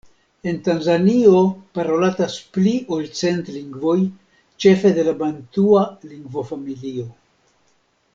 En Tanzanio parolatas pli ol cent lingvoj, ĉefe de la bantua lingvofamilio.